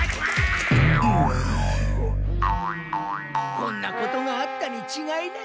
こんなことがあったにちがいない。